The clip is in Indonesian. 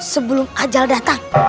sebelum ajal datang